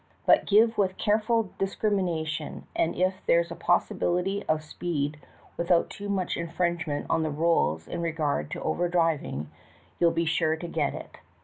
But give with careful dis crimination, and if there's a possibility of speed without too much infringement on the rules in regard to over driving, you'll be sure to get it.